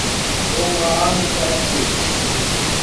Com a amizade deles